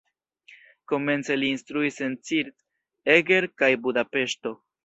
Komence li instruis en Zirc, Eger kaj Budapeŝto.